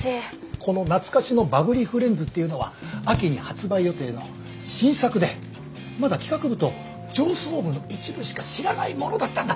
この懐かしのバブリーフレンズっていうのは秋に発売予定の新作でまだ企画部と上層部の一部しか知らないものだったんだ。